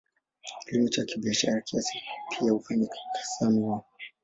Kilimo cha kibiashara kiasi pia hufanyika, hasa miwa.